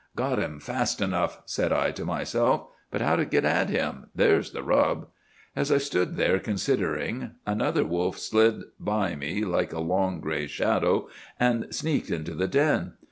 "'"Got him, fast enough!" said I to myself; "but how to get at him—there's the rub!" As I stood there considering, another wolf slid by me, like a long, gray shadow, and sneaked into the den.